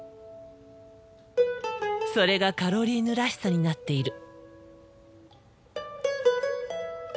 それがカロリーヌらしさになっている。